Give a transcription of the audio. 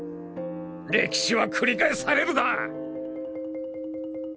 歴史は繰り返されるだ！